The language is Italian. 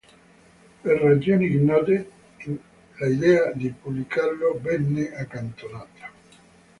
Per ragioni ignote, l'idea di pubblicarlo venne accantonata.